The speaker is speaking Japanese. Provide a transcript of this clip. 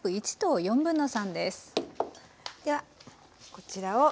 ではこちらを。